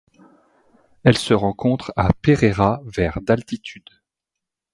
Elle se rencontre à Pereira vers d'altitude.